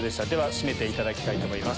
締めていただきたいと思います。